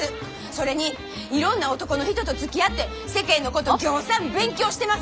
それにいろんな男の人とつきあって世間のことぎょうさん勉強してますよ！